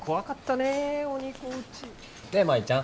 ねえ舞ちゃん。